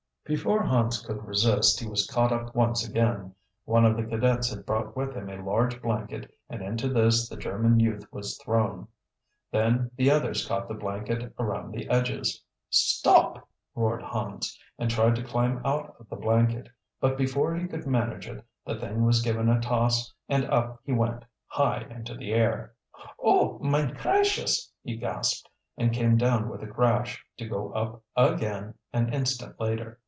Before Hans could resist he was caught up once again. One of the cadets had brought with him a large blanket and into this the German youth was thrown. Then the others caught the blanket around the edges. "Stop!" roared Hans, and tried to climb out of the blanket. But before he could manage it, the thing was given a toss and up he went, high into the air. "Oh! Mine cracious!" he gasped and came down with a crash, to go up again an instant later.